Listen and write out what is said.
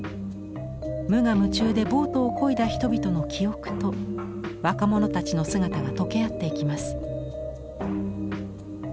無我夢中でボートをこいだ人々の記憶と若者たちの姿が溶け合っていきます。